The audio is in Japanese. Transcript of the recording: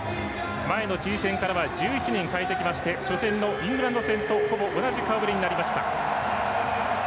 前のチリ戦からは１１人変えてきまして初戦のイングランド戦とほぼ同じ顔ぶれになりました。